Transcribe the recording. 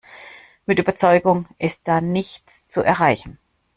Mit Überzeugung ist da nichts zu erreichen.